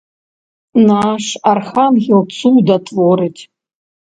Наш архангел цуда творыць!